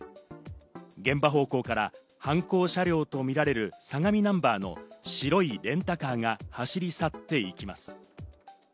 現場方向から犯行車両とみられる、相模ナンバーの白いレンタカーが走り去っていきます。